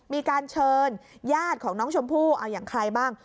มีการเชิญญาติของน้องชมพู่เอาอย่างใครบ้าง